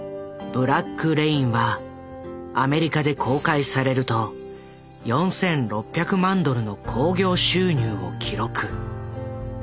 「ブラック・レイン」はアメリカで公開されると４，６００万ドルの興行収入を記録。